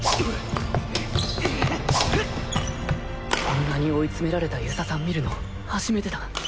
あんなに追い詰められた遊佐さん見るの初めてだ。